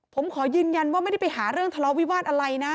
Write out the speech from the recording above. ผมขอยืนยันว่าไม่ได้ไปหาเรื่องทะเลาะวิวาสอะไรนะ